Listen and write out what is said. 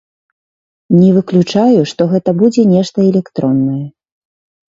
Не выключаю, што гэта будзе нешта электроннае.